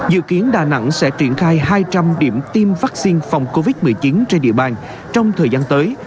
dự kiến đà nẵng sẽ triển khai hai trăm linh điểm tiêm vaccine phòng covid một mươi chín trên địa bàn trong thời gian tới